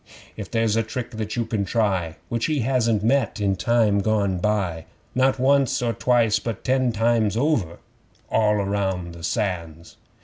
'If there's a trick that you can try Which he hasn't met in time gone by, Not once or twice, but ten times over; (All round the Sands!)